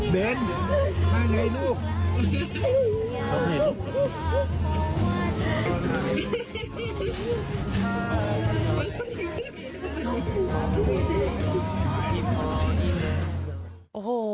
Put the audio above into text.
เดนมาไงลูก